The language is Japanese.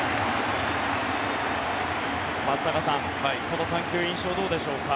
松坂さん、この３球印象はどうでしょうか。